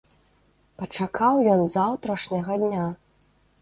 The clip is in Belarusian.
Пачакаў ён заўтрашняга дня.